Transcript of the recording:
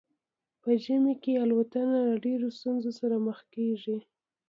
په ژمي کې الوتنه له ډیرو ستونزو سره مخ کیږي